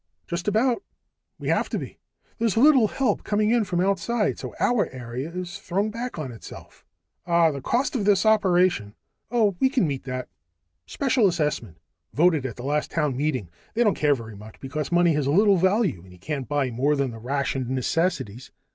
"Just about. We have to be. There's little help coming in from outside, so our area is thrown back on itself." "Ah the cost of this operation " "Oh, we can meet that. Special assessment, voted at the last town meeting. They don't care very much, because money has little value when you can't buy more than the rationed necessities.